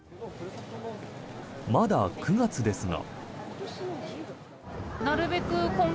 まだ９月ですが。